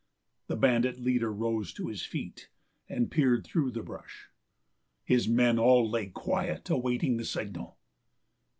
The bandit leader rose to his feet and peered through the bush. His men all lay quiet, awaiting the signal.